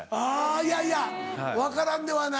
いやいや分からんではない。